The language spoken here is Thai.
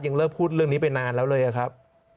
เลิกพูดเรื่องนี้ไปนานแล้วเลยอะครับ